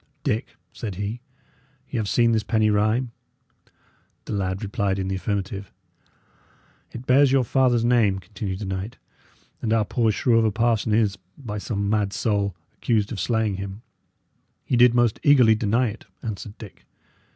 "Dick," said he, "Y' have seen this penny rhyme?" The lad replied in the affirmative. "It bears your father's name," continued the knight; "and our poor shrew of a parson is, by some mad soul, accused of slaying him." "He did most eagerly deny it," answered Dick.